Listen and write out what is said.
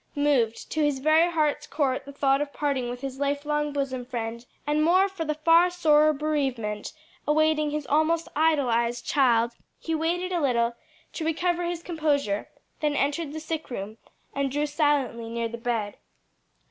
Moved to his very heart's core at the thought of parting with his lifelong bosom friend, and more for the far sorer bereavement awaiting his almost idolized child, he waited a little to recover his composure, then entered the sick room and drew silently near the bed.